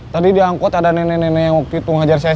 tadi diangkot ada nenek nenek yang waktu itu ngajar saya sama arman